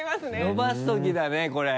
伸ばすときだねこれ。